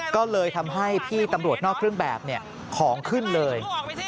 ก็เลยทำให้พี่ตำรวจนอกเครื่องแบบของขึ้นเลย